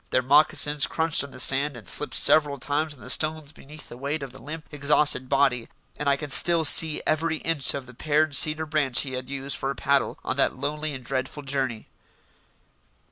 Their moccasins crunched on the sand and slipped several times on the stones beneath the weight of the limp, exhausted body, and I can still see every inch of the pared cedar branch he had used for a paddle on that lonely and dreadful journey.